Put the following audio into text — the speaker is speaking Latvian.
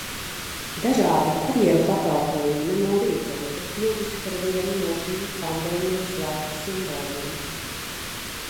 Dažādi kurjeru pakalpojumi nenoliedzami ir kļuvuši par vienu no šī pandēmijas laika simboliem....